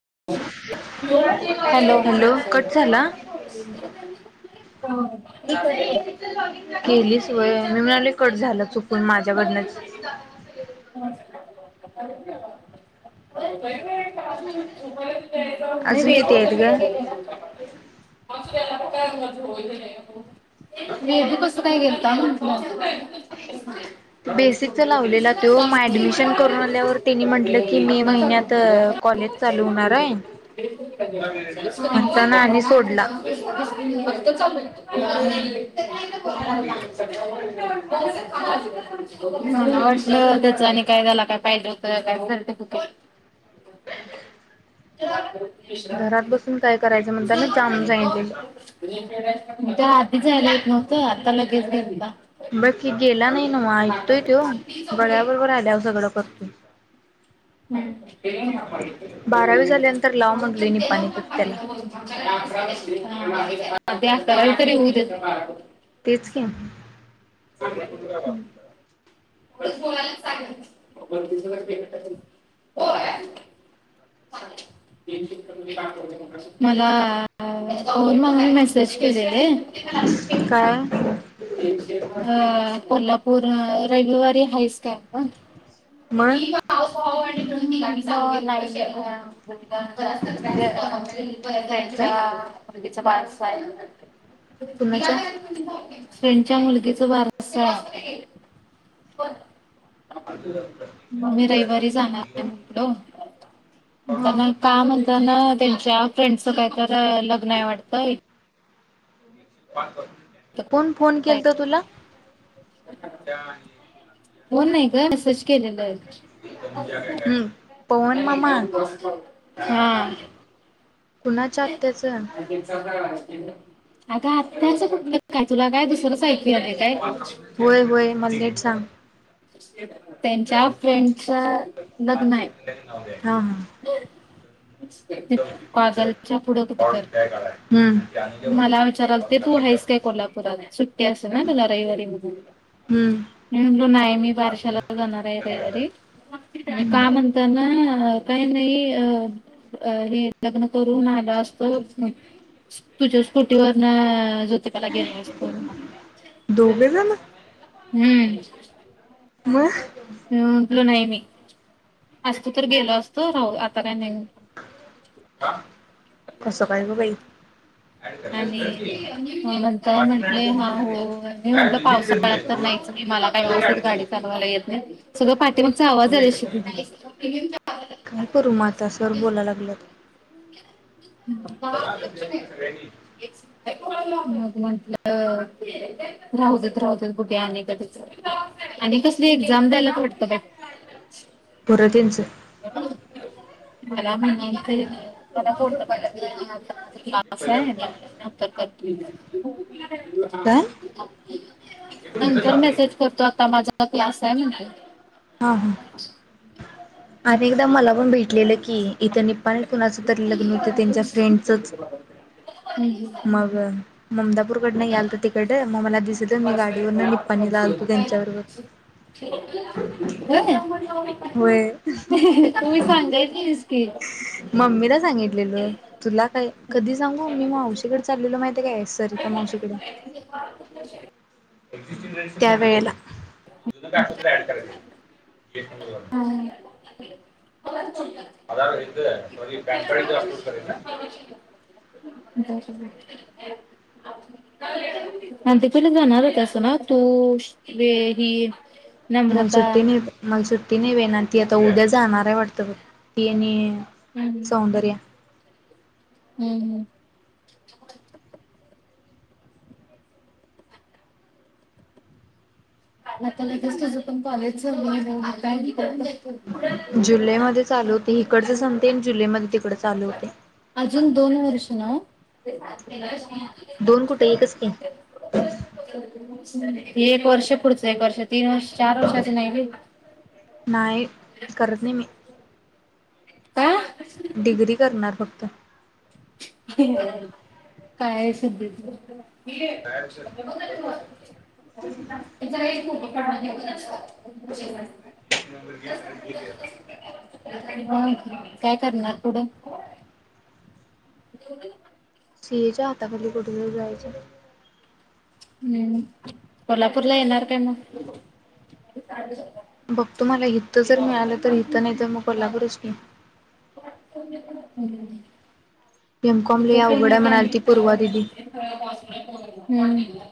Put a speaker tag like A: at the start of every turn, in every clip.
A: Hello
B: hello cut झाला
A: हो मि करते
B: केली सोय मी म्हणाले कट झाल चुकून माझ्याकडनच
A: म
B: अजून किती आहेत ग
A: [unintelligible] नाही तू कस काय गेलता म्हणे. ह [unintelligible]
B: बेसिकचा लावलेला तो मग ऍडमिशन करून आल्यावर त्यांनी म्हटलं की मे
A: [inaudible]
B: महिन्यात कॉलेज
A: [unintelligible] [unintelligible]
B: चालू होणार आहे
A: मला
B: म्हणताना आणि सोडला
A: वाटल त्याच आणि काय त्याला काय फायदा काय झालते चला
B: घरात बसून काय कर
A: आधीचला [unintelligible] नव्हत आत्ता लगेच गेलता
B: बकी गेला नाही ना म ऐकतोय तो गळ्याबरोबर राहिल्यावर सगळ. करतो
A: हम् [unintelligible] [unintelligible]
B: बारावी झाल्यानंतर लाव म्हटलोय निपाणीतच त्याला
A: तेहात्तरावी तरी होऊ दे.
B: तेच की
A: अगला य अ मला फोन म्हणून मेसेज केले
B: काय
A: र हा कोल्हापूर रविवारी हायच कि आपण
B: मग
A: मी म्हटलं लाईव्ह यावं
B: काय
A: मुलगीच बारसं आहे
B: कुणाच्या
A: [inaudible] फ्रेंडच्या मुलगीच बारस मग मी रविवारी जाणार आहेकड
B: हा
A: णताना का म्हणता ना त्यांच्या फ्रेंडच कायत र लग्न आहे वाटत इथं
B: कोण फोन केल त तुला
A: फोन नाही ग मॅसेज केलेलं आहे
B: हम्म पवन मामा
A: हा
B: कुणाच्या आत्याच
A: अग आताच काय तुला काय दुसर
B: होय होय मला नेट सांग
A: त्यांच्या फ्रेंडच लग्न आहे
B: हा हा
A: कागलच्या पुढं कुठ तर
B: हम्
A: मला विचारल ते तू आहेस काय कोल्हापुरला सुट्टी असेल ना तुला रविवारी मधून नाही आहे मी बारशाला जाणार रविवारी
B: हम्म
A: का म्हणताना काही नाही अ हे लग्न करून आलो असतो तुझ्या स्कुटीवर ना ज्योतिबा ला गेलो असतो
B: दोघे जण
A: हम्म
B: मग
A: मी म्हटलो नाही मी असतो तर गेलो असतो राहू आता काय नाही
B: कसं काय ग बाई
A: आणि नंतर म्हंटले हा हो मी म्हंटलं पावसाळ्यात तर नाही मला काय व्यवस्थित गाडी चालवायला येत नाही सगळं पाठीमागचा आवाज आ श
B: काय करू म आाता सर बोलाय लागलत.
A: [unintelligible] म्हटलं राहुदेत-राहुदेत बघूया आणि कधी तरी आणि कसली एक्झाम द्यायला पडतं काहीतरी.
B: तनच,
A: मला म्हण ते मला फोटो. पाऊस आहे ना नंतर करते,
B: काय
A: नंतर मेसेज करतो आता माझा क्लास आहे म्हणे
B: हा ह अनेकदा मला पण भेटलेले की इथे निपाणीत कुणाच तरी लग्न होत त्यांच्या फ्रेंडचच मग ममदापूरकड नाही याल त तर तिकडे मग मला दिसत मी गाडीवर ना निपपाणीला आल तू त्यांच्याबरोबर.
A: [unintelligible]
B: होय
A: तुम्ही सांगायच
B: मम्मीला सांगितलेल तुला काय कधी सांगू मम् मी मावशीकडे चाललेलो माहिती य काय सरिता मावशीकडे. त्या वेळेला [unintelligible]
A: [unintelligible] [unintelligible] [unintelligible] आणि ते पहिले जाणार होतसा ना असं ना तू ही
B: मल
A: नम्रता
B: सुट्टी नाही मला सुट्टी नाही मिळणार ती आता उद्या जाणार आहे वाटतं बय ती आणि
A: हम्,
B: सौंदर्या
A: हम्म-हम्म [inaudible] आता लगेच तुझं पण कॉलेजच बोल
B: जुलैमध्ये चालू होतंय हिकडचे संपतयआणि जुलैमध्ये तिकडच चालू होतंय,
A: अजून दोन वर्ष नव
B: दोन कुठे एकच की,
A: हे एक वर्ष पुढचं एक वर्ष तीन वर्ष चार वर्षाच नाही बई
B: नाही करत नाही मी
A: [unintelligible] आह,
B: डिग्री करणार फक्त.
A: [unintelligible] काय सुद्ध ये चल ये फोटो काढून घे चल
B: मीगर घे सगळे येतता,
A: ह काय करणार पुढं,
B: सिएच्या हाता खाली कुठूतरी जायच,
A: हम्म कोल्हापूरला येणार काय मग
B: बघतो मला हित जर मिळालं तर हित नाही तर मग कोल्हापूरच की,
A: हम,
B: एम कॉम लय
A: तिथू क
B: अवघड आहे म्हणालती
A: त्या
B: पूर्वा दिदी
A: हो [unintelligible]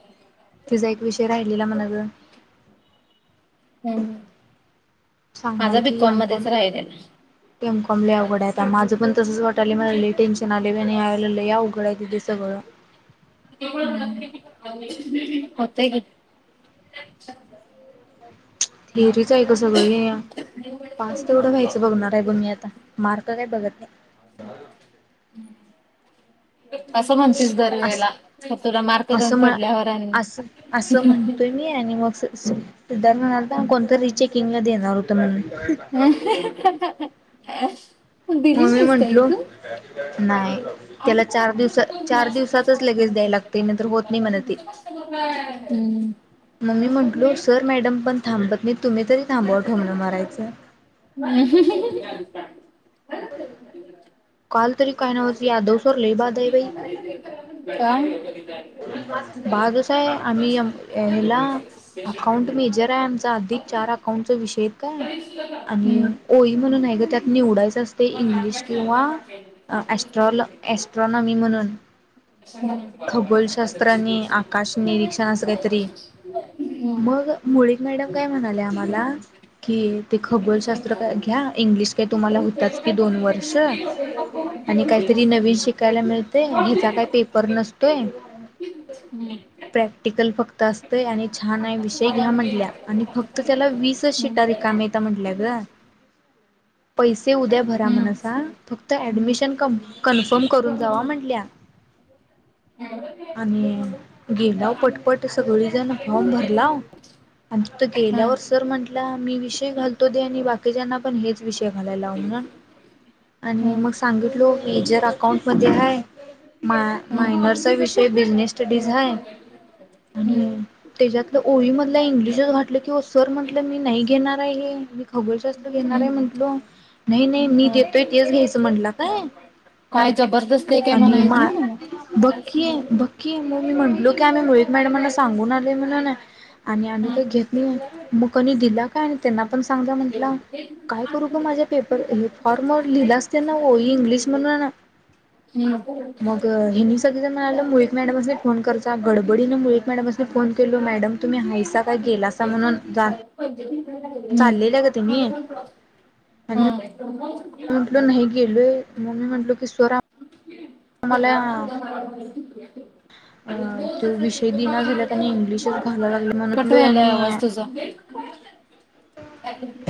B: तिचा एक विषय राहिलेला म्हणाल.
A: ह् माझा
B: सांगालती
A: बिकॉम
B: एम
A: मध्येच
B: कॉम
A: राहिल ना
B: एम. कॉम. लय अवघड आहे, आता माझं पण तसच वाटालंय मला लय टेन्शन आलय ते नाही ह्या वेळेला लय अवघड आहे सगळं
A: होतेय घे, [unintelligible]
B: [unintelligible] आहे का सगळे पास तेवढं व्हायचं बघणार आहे बघ मी आता मार्क काय बघत नाही, [unintelligible]
A: असं म्हणतीस
B: [unintelligible] अस
A: दरवेळेला मग तुला मार्क
B: असं
A: कमी
B: म
A: पडल्यावर आणि
B: अस असं म्हणतोय. मी आणि सिद्धार्थ म्हणल्यालता कोण तर रिचेकिंगला देणार होत म्हणून
A: हम्, दिली
B: मग मी
A: नाहीस काय
B: म्हंटलो
A: तू
B: नाही त्याला चार दिवसा चार दिवसातच लगेच द्यायला लागते नंतर होत नाही म्हण ते
A: [unintelligible]
B: मग मी म्हटलं सर मॅडम पण काय थांबत नाही तुम्ही तरी थांबवा ठोंबन मारायचं
A: ह
B: काल तरी काय नवच की यादव सर लय बाद आहे बाई
A: काय नाही
B: बादच आहे आणि ह्याला अकाउंट मेजर आहे आमचा अधिक चार अकाउंटचा विषय काय आणि
A: हम्म
B: ओई म्हणून आहे ग त्यात निवडायचं असते इंग्लिश किंवा एस्ट्रॉनॉमी म्हणून
A: [unintelligible]
B: तर आणि आकाश निरीक्षण असं काहीतरी मग मुळीक मॅडम काय म्हणाले आ मला कि ते खगोलशास्त्र काय घ्या इंग्लिश काय तुम्हाला होताच कि दोन वर्ष आणि काहीतरी नवीन शिकायला मिळतंय ह्याचा काय पेपर नसतोय
A: हम्म
B: प्रॅक्टिकल फक्त असतय आणि छान आहे विषय घ्या म्हंटल्या आणि फक्त त्याला वीसच शिटारी कामेता म्हंटलं ग पैसे उद्या
A: हम्म हम्म
B: भरा
A: हम्म
B: म्हणसा फक्त ऍडमिशन कन्फर्म करून जावा म्हंटल्या
A: हो
B: आणि गेल्यावर पटपट सगळी जण फॉर्म भरलाव आणि तिथं गेल्यावर सर म्हटले मी विषय घालतो आणि बाकी बाकीच्यांना पण हेच विषय घ्यायला लावणार आणि सांगितलं की अकाउंट मध्ये हाय
A: हम्म हम्म
B: मायनर विषय बिजनेस स्टडी मध्ये आहे आणि त्याच्यातलं ओळी मधलं इंग्लिशच घातलं की हो सर म्हटलं मी नाही घेणार नाही खगोलशास्त्र घेणार
A: हम्म
B: आहे म्हटलं की नाही नाही मी
A: हम्म
B: देतोय तेच घ्यायचं म्हटलं काय
A: काय जबरदस्त हाय काय म्हणायला येत नाही होय मला
B: बघ की मग मी म्हटलं की आम्ही मुळीक मॅडम यांना सांगून आलोय म्हणून आणि
A: कट
B: आम्ही काय घेत नाही म्हणून मग की नाही दिला काय त्यांना पण म्हणाला सांग जा म्हणून काय करू ग माझ्या फॉर्मवर लिहिलास त्यांना इंग्लिश मधून मग हनी सगळी जण मिळालं मुळीक मॅडमचा फोन कर जा गडबडीने मुळीक मॅडम यांना फोन केला मॅडम तुम्ही हायसा काय
A: आरती
B: गेलासा म्हणून जा
A: भेटली माझं
B: चाललेल्या
A: पैंजण
B: गं त्यांनी
A: दुरुस्तीला टाकलं हम
B: मग मी म्हटलं की गेलोय मग म्हटलं की स्वरा
A: भवा ना उ म आणि
B: अ
A: तो जसा की
B: विषय दिना झाल्यात आणि इंग्लिशच घालाय
A: तुम्हाला
B: लागले
A: कट
B: म्हणतलोय
A: व्हायला
B: आणि
A: आवाज तुझा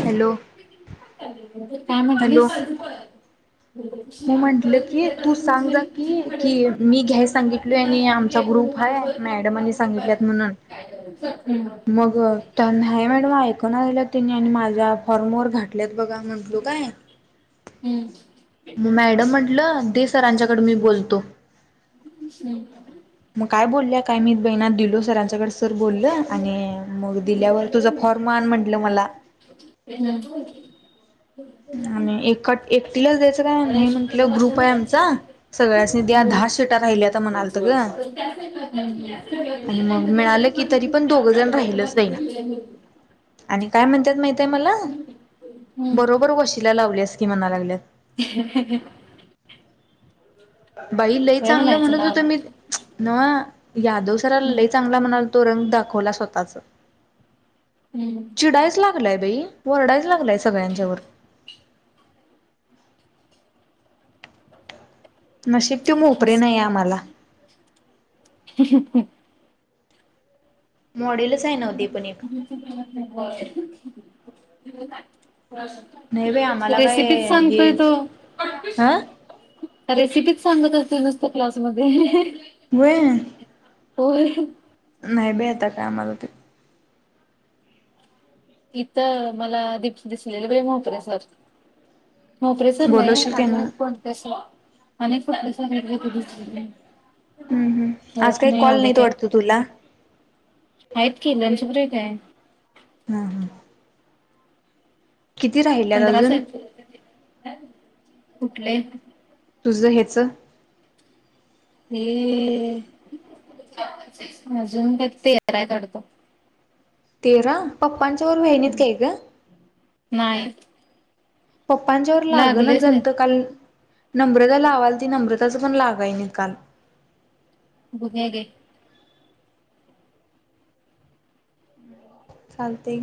B: हॅलो
A: काय
B: हॅलो
A: म्हटलीस
B: मग म्हंटलं की तू सांग जा की कि मी घ्या सांगितल आणि आमचा ग्रुप हाय मॅडम आणि सांगितल्यात म्हणून
A: ह
B: मग त्या मॅडम ऐकना झाल्यात माझ्या फॉर्मवर घातल्या बघा म्हटलो काय
A: हम्म
B: मग मॅडम म्हटल सरांच्याकड मी बोलतो मग काय माहित सरांच्या कडे दिलो सर बोललं आणि मग दिल्यावर तुझं फॉर्म आण म्हटलं मला आणि एक एकटीलाच द्यायच काय नाही म्हंटलं ग्रुप आहे आमचा सगळ्यांसनी द्या
A: हम्म हम्म
B: दहा सीटा राहिल्याता म्हणालत ग आणि
A: सगळ्यांची
B: मग मिळालं की तरी पण दोघ जण
A: परिस्थिती
B: राहिलच बहिना
A: बघितली.
B: आणि काय म्हणतात माहितय मला
A: हम्म
B: बरोबर. इथं लावल्यास की म्हणा लागल्यात.
A: [unintelligible]
B: बाई लई
A: होय
B: चांगलं
A: म्हणायचं
B: म्हणत होतो
A: नाव
B: नवं मी यादव सराला चांगलं म्हणत होत. तो रंग दाखवला स्वतःच.
A: हम्म
B: लाय बाई वरडायच लागलाय सगळ्यांच्यावर. नशीब तो मोपरे नाही आम्हाला.
A: [unintelligible]
B: मॉडेलच आहे नव्ह ते पण एक
A: अजून जमत नाही आम्हाला.
B: नाही बाई आम्हाला काय
A: रेसिपीच
B: हे
A: सांगतोय तो.
B: हा
A: रेसिपी सांगत असतो नुसता क्लास मध्ये.
B: व्हय
A: होय.
B: नाही बाई आता काय आम्हाला तो.
A: इथं मला दिसलेले बाई मोपरे सर. मोपरे सर नाही
B: बोलवशील की
A: अजून कोणते एक सर कुठले दिसले सर.
B: हम्म हम् आज
A: ओळख
B: काही
A: नाही
B: कॉल
A: एवढे
B: नाहीत
A: काय
B: वाटत तुला.
A: आहेत की लंच ब्रेक आहे.
B: हम् हम
A: पंधरा सा
B: अजून
A: कुठले.
B: तुझं ह्याचं.
A: ते अजून का तेरा आहेत वाटत.
B: तेरा पप्पांच्या वर व्हाहिणीत काय ग?
A: नाही
B: पप्पांच्या व लागणच
A: लागलेच
B: झालं तर
A: नाहीत
B: काल. नम्रता लावाल ती नम्रताच पण लागय नि काल.
A: बघू या घे.
B: चालते की.